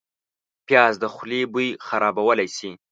پیاز د خولې بوی خرابولی شي